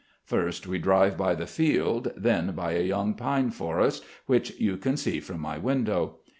First we drive by the field, then by a young pine forest, which you can see from my window.